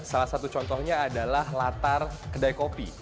salah satu contohnya adalah latar kedai kopi